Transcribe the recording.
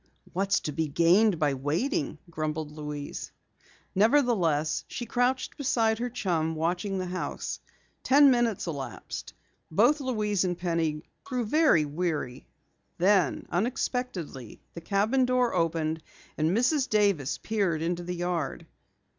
"What's to be gained by waiting?" grumbled Louise. Nevertheless, she crouched beside her chum, watching the house. Ten minutes elapsed. Both Louise and Penny grew very weary. Then unexpectedly, the cabin door opened and Mrs. Davis peered into the yard.